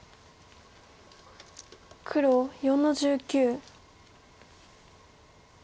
黒４の十九。